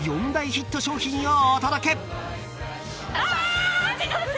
４大ヒット商品をお届け］あ！